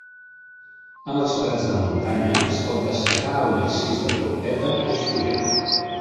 En els prats de muntanya es pot destacar el narcís de trompeta i asturià.